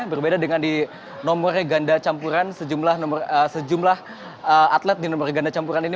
berbeda dengan di nomor ganda campuran sejumlah atlet di nomor ganda campuran ini